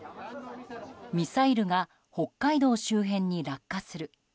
ミサイルが北海道周辺に落下する。